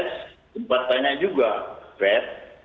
sempat tanya juga feb